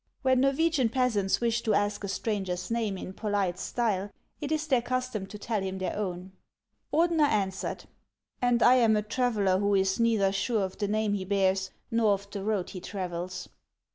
When Norwegian peasants wish to ask a stranger's name in polite style, it is their custom to tell him their own. Ordener answered :" And I am a traveller, who is neither sure of the name he bears nor of the road he travels."